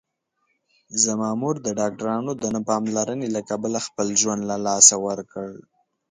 زما مور د ډاکټرانو د نه پاملرنې له کبله خپل ژوند له لاسه ورکړ